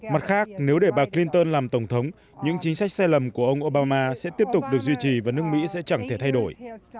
mặt khác nếu để bà clinton làm tổng thống những chính sách sai lầm của ông obama sẽ tiếp tục được duy trì và nước mỹ sẽ chẳng thể thay đổi